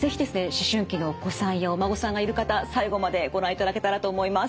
思春期のお子さんやお孫さんがいる方最後までご覧いただけたらと思います。